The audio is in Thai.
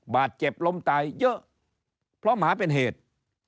บาดเจ็บล้มตายเยอะเพราะหมาเป็นเหตุ